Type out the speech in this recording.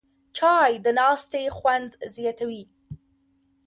چای د ناستې خوند زیاتوي